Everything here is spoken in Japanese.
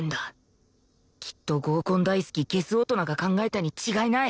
きっと合コン大好きゲス大人が考えたに違いない